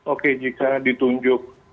oke jika ditunjuk